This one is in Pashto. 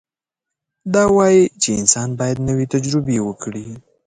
دا وایي چې انسان باید نوې تجربې وکړي.